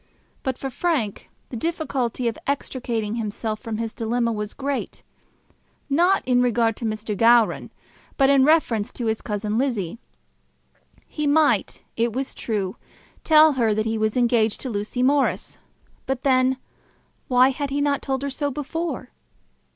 But for Frank the difficulty of extricating himself from his dilemma was great, not in regard to Mr. Gowran, but in reference to his cousin Lizzie. He might, it was true, tell her that he was engaged to Lucy Morris; but then why had he not told her so before?